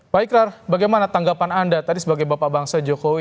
pak ikrar bagaimana tanggapan anda tadi sebagai bapak bangsa jokowi